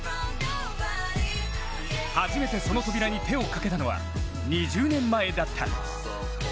初めてその扉に手をかけたのは２０年前だった。